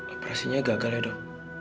operasinya gagal ya dok